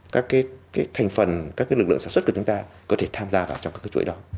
các thành phần các lực lượng sản xuất của chúng ta có thể tham gia vào trong các chuỗi đó